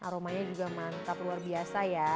aromanya juga mantap luar biasa ya